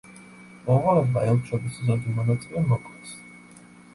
მონღოლებმა ელჩობის ზოგი მონაწილე მოკლეს.